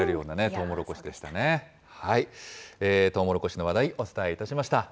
トウモロコシの話題、お伝えいたしました。